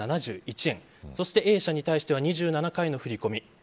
そしてＡ社に対しては２７回の振り込み。